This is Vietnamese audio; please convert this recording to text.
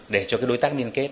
để cho cái đối tác liên kết